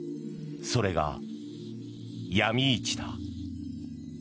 それがヤミ市だ。